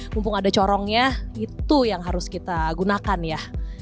mumpung ada corongnya itu yang harus kita gunakan ya